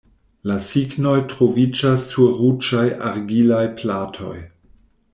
La signoj troviĝas sur ruĝaj argilaj platoj.